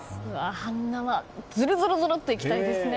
半生、ずるずるっといきたいですね。